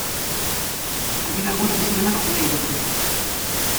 Argi dago ez duzuela kartela irakurri.